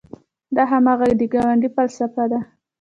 دا هماغه د ګاندي فلسفه ده.